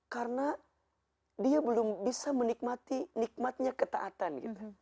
karena dia belum bisa menikmati nikmatnya ketaatan gitu